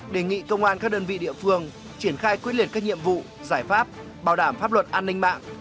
đề nghị công an các đơn vị địa phương triển khai quyết liệt các nhiệm vụ giải pháp bảo đảm pháp luật an ninh mạng